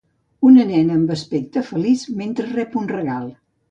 Una nena amb aspecte feliç mentre rep un regal.